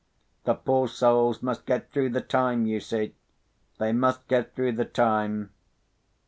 the poor souls must get through the time, you see—they must get through the time.